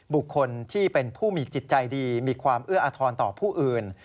บุคคลที่เป็นผู้มีจิตใจดีมีความเอื้ออทรต่อผู้อื่น